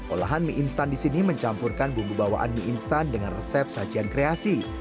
olahan mie instan di sini mencampurkan bumbu bawaan mie instan dengan resep sajian kreasi